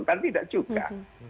kan tidak juga